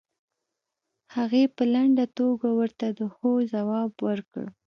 هغې په لنډه توګه ورته د هو ځواب ورکړ.